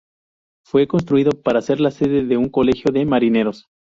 Fue construido para ser la sede de un colegio de marineros.